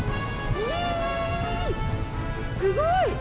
すごい。